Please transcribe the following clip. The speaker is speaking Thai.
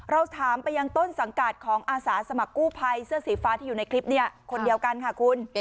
เราถามไปยังต้นสังกัดของอาสาสมัครกู้ภัยเสื้อสีฟ้าที่อยู่ในคลิปเนี่ยคนเดียวกันค่ะคุณ